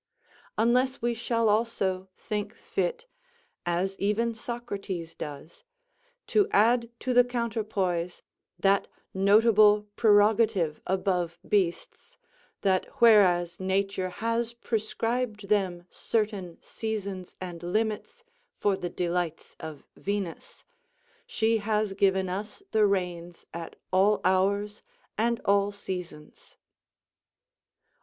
Unless we shall also think fit, as even Socrates does, to add to the counterpoise that notable prerogative above beasts, That whereas nature has prescribed them certain seasons and limits for the delights of Venus, she has given us the reins at all hours and all seasons."